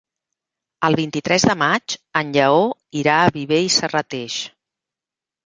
El vint-i-tres de maig en Lleó irà a Viver i Serrateix.